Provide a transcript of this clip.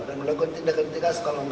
dan melakukan tindakan tiga sekalian